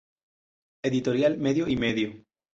Editorial Medio y Medio